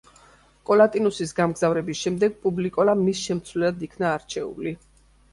კოლატინუსის გამგზავრების შემდეგ, პუბლიკოლა მის შემცვლელად იქნა არჩეული.